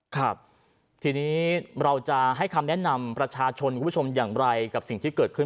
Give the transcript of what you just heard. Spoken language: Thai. ครับทีนี้เราจะให้คำแนะนำประชาชนคุณผู้ชมอย่างไรกับสิ่งที่เกิดขึ้น